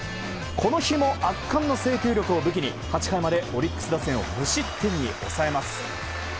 この日も圧巻の制球力を武器に８回までオリックス打線を無失点に抑えます。